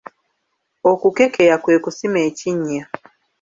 Okukekeya kwe kusima ekinnya.